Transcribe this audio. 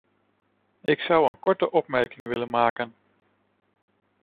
Ik zou een korte opmerking willen maken.